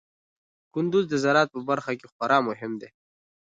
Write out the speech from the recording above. کندز د زراعت په برخه کې خورا مهم دی.